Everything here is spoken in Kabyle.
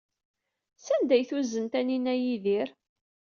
Sanda ay tuzen Taninna Yidir?